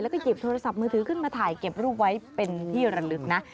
แล้วก็หยิบโทรศัพท์มือถือขึ้นมาถ่ายเก็บรูปไว้เป็นที่ระลึกนะ